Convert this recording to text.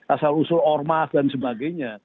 asal usul ormas dan sebagainya